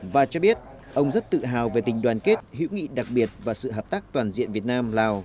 và cho biết ông rất tự hào về tình đoàn kết hữu nghị đặc biệt và sự hợp tác toàn diện việt nam lào